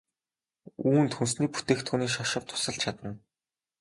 Үүнд хүнсний бүтээгдэхүүний шошго тусалж чадна.